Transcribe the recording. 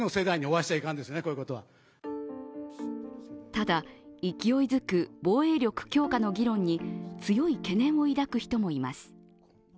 ただ勢いづく防衛力強化の議論に強い懸念を抱く人もいます。